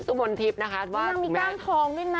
สุมนทิพย์นะคะยังมีก้านทองด้วยนะ